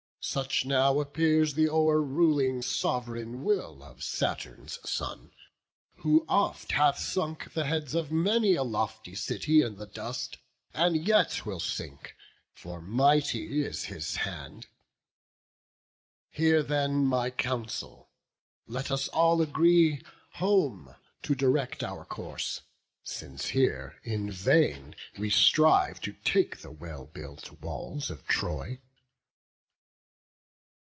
Such now appears th' o'er ruling sov'reign will Of Saturn's son, who oft hath sunk the heads Of many a lofty city in the dust, And yet will sink; for mighty is his hand. Hear then my counsel; let us all agree Home to direct our course: since here in vain We strive to take the well built walls of Troy."